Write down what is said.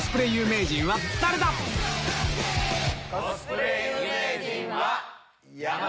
コスプレ有名人は。